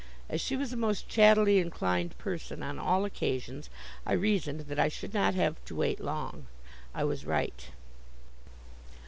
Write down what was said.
As she was a most chattily inclined person on all occasions, I reasoned that I should not have to wait long. I was right.